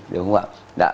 đúng không ạ